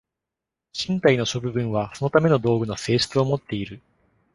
身体の諸部分はそのための道具の性質をもっている。